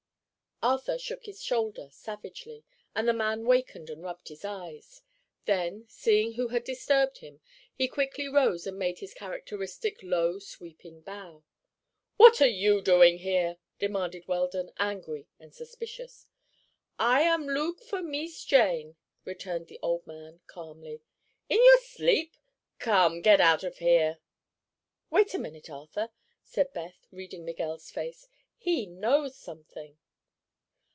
Arthur shook his shoulder, savagely, and the man wakened and rubbed his eyes. Then, seeing who had disturbed him, he quickly rose and made his characteristic low, sweeping bow. "What are you doing here?" demanded Weldon, angry and suspicious. "I am look for Mees Jane," returned the old man calmly. "In your sleep? Come, get out of here." "Wait a minute, Arthur," said Beth, reading Miguel's face. "He knows something."